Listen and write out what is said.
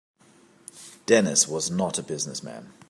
Dennis was not a business man.